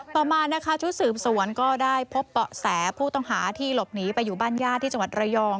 ต่อมานะคะชุดสืบสวนก็ได้พบเบาะแสผู้ต้องหาที่หลบหนีไปอยู่บ้านญาติที่จังหวัดระยอง